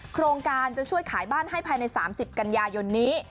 โครงการจะช่วยขายบ้านให้ภายใน๓๐กันยายนนี้